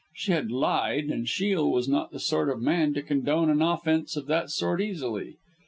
She had lied, and Shiel was not the sort of man to condone an offence of that sort easily.